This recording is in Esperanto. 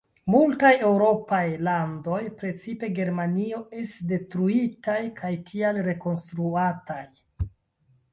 Multaj eŭropaj landoj, precipe Germanio, estis detruitaj kaj tial rekonstruataj.